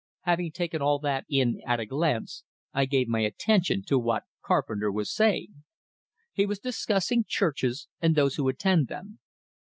Having taken all that in at a glance, I gave my attention to what Carpenter was saying. He was discussing churches and those who attend them.